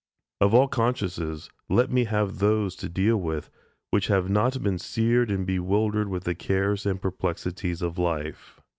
Of all consciences, let me have those to deal with, which have not been seared and bewildered with the cares and perplexities of life.